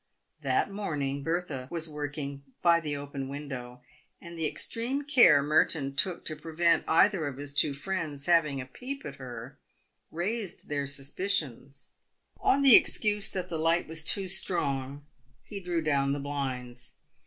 That morning Bertha was work ing by the open window, and the extreme care Merton took to prevent either of his two friends having a peep at her, raised their suspicions. On the excuse that the light was too strong, he drew down the blinds.